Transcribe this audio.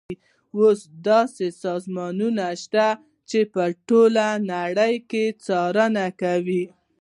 اوس داسې سازمانونه شته چې په ټوله نړۍ کې څارنه کوي.